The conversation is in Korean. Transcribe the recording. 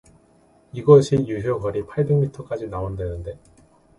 이것이 유효 거리 팔백 미터까지 나온다는데